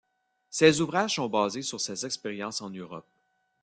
Ses ouvrages sont basés sur ses expériences en Europe.